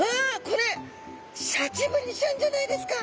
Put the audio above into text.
これシャチブリちゃんじゃないですか。